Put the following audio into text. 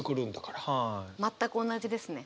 全く同じですね。